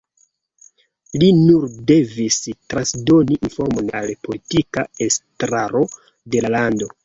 Li nur devis transdoni informon al politika estraro de la lando.